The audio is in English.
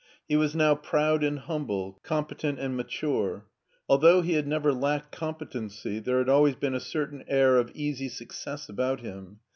He was now proud and humble, competent and mature. Although he had never lacked competency there had always been a certain air of easy success about him.